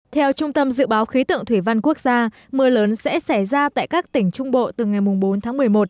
theo trung tâm dự báo khí tượng thủy văn quốc gia mưa lớn sẽ xảy ra tại các tỉnh trung bộ từ ngày bốn tháng một mươi một